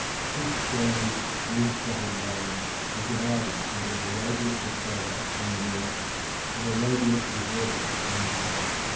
This stony, green spotted land was divided into Arabia Petraea on the north and Arabia Deserta on the south.